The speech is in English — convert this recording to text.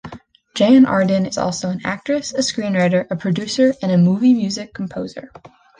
Jann Arden is also an actress, a screenwriter, a producer and movie music composer.